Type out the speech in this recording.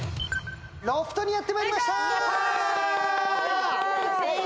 ロフトにやってまいりました。